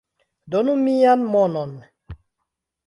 Donu mian monon